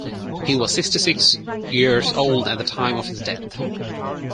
He was sixty-six years old at the time of his death.